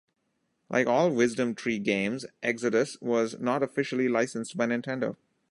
Like all Wisdom Tree games, "Exodus" was not officially licensed by Nintendo.